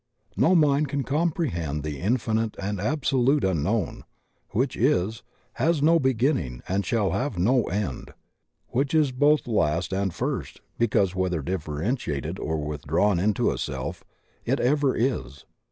No mind can compre hend the infinite and absolute unknown, which is, has no beginning and shall have no end; which is both last and first, because, whether differentiated or withdrawn into itself, it ever is.